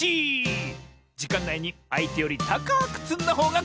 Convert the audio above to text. じかんないにあいてよりたかくつんだほうがかちサボよ！